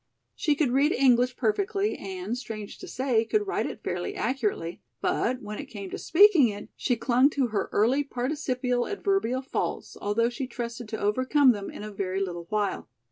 She could read English perfectly and, strange to say, could write it fairly accurately, but, when it came to speaking it, she clung to her early participial adverbial faults, although she trusted to overcome them in a very little while.